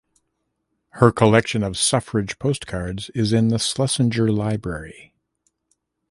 Her collection of suffrage postcards is in the Schlesinger Library.